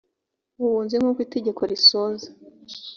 mu bunzi nk uko itegeko risoza